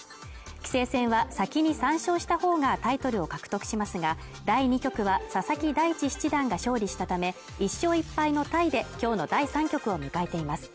棋聖戦は先に３勝した方がタイトルを獲得しますが、第２局は、佐々木大地七段が勝利したため、１勝１敗のタイで、今日の第３局を迎えています。